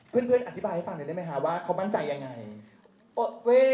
เพื่อนอธิบายให้ฟังหน่อยได้มั้ยฮะว่าเขามั่นใจยังไง